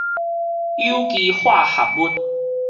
有機化合物